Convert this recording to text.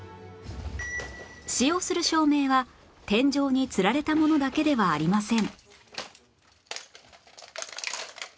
使用する照明は天井につられたものだけではありません